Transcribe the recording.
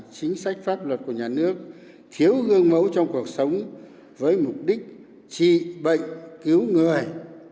chính sách pháp luật của nhà nước thiếu gương mẫu trong cuộc sống với mục đích trị bệnh cứu người